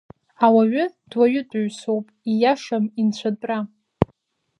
Ауаҩы, дуаҩытәыҩсоуп, ииашам инцәатәра.